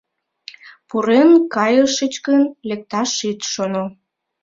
Пурен кайышыч гын, лекташ ит шоно.